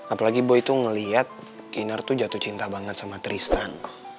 apalagi boy itu ngeliat inner tuh jatuh cinta banget sama tristan